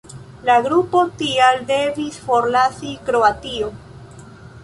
La grupo tial devis forlasi Kroatio.